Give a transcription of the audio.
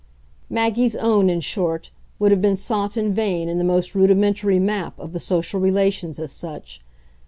Maggie's own, in short, would have been sought in vain in the most rudimentary map of the social relations as such.